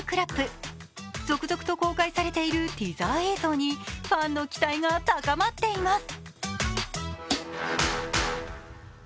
続々と公開されているティザー映像にファンの期待が高まっています。